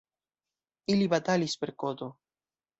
Ili batalis per koto.